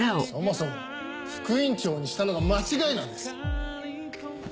そもそも副院長にしたのが間違いなんです。